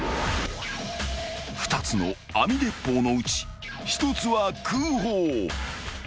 ［２つの網鉄砲のうち１つは空砲］